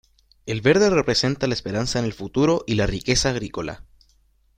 El verde representa la esperanza en el futuro y la riqueza agrícola.